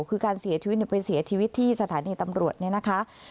คือการเสียชีวิตไปเสียชีวิตที่สถานีตำรวจเนี่ยนะคะ